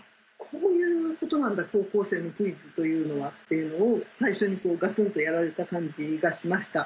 こういうことなんだ高校生のクイズというのはっていうのを最初にガツンとやられた感じがしました。